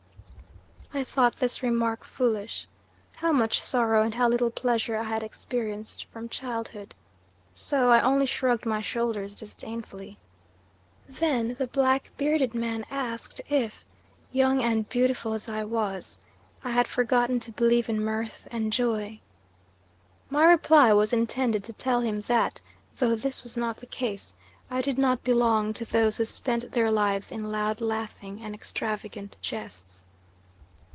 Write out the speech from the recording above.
"I thought this remark foolish how much sorrow and how little pleasure I had experienced from childhood! so I only shrugged my shoulders disdainfully. "Then the black bearded man asked if, young and beautiful as I was, I had forgotten to believe in mirth and joy. My reply was intended to tell him that, though this was not the case, I did not belong to those who spent their lives in loud laughing and extravagant jests.